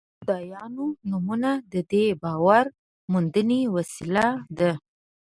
د خدایانو نومونه د دې باور موندنې وسیله ده.